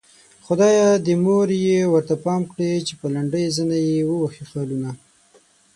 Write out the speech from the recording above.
خدايه د مور يې ورته پام کړې چې په لنډۍ زنه يې ووهي خالونه